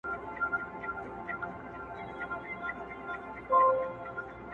o پرون مي غوښي د زړگي خوراك وې.